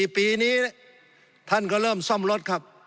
ปีนี้ท่านก็เริ่มซ่อมรถครับ